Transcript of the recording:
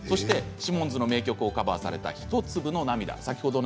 シモンズの名曲をカバーされた「ひとつぶの涙」